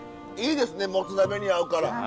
いいですねもつ鍋に合うから。